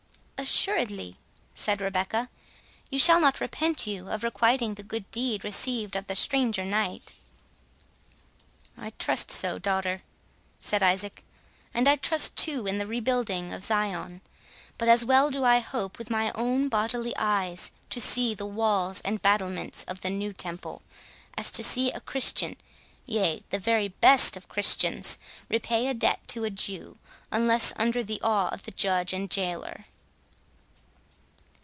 "Assuredly," said Rebecca, "you shall not repent you of requiting the good deed received of the stranger knight." "I trust so, daughter," said Isaac, "and I trust too in the rebuilding of Zion; but as well do I hope with my own bodily eyes to see the walls and battlements of the new Temple, as to see a Christian, yea, the very best of Christians, repay a debt to a Jew, unless under the awe of the judge and jailor."